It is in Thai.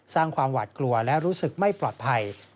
สร้างความหวาดกลัวและรู้สึกไม่ปลอดภัย